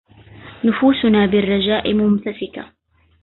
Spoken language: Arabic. نفوسنا بالرجاء ممتسكه